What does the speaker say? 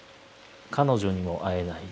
彼女にも会えない。